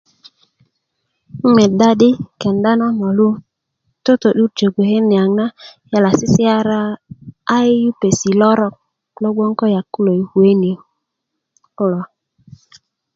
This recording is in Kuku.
um medda di kenda na molu totodurjö gboke niyaŋ na yala sisiara' ai yupesi' lorok lo gboŋ ko yak kuló kuwe ni kulo